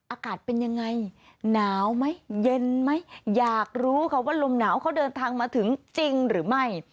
อากาศเป็นยังไงหนาวไหมเย็นไหมอยากรู้ค่ะว่าลมหนาวเขาเดินทางมาถึงจริงหรือไม่